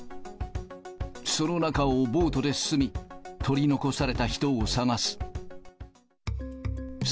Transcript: その中をボートで進み、取り残された人を探す。